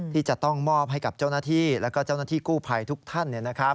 ที่จะต้องมอบให้กับเจ้าหน้าที่แล้วก็เจ้าหน้าที่กู้ภัยทุกท่าน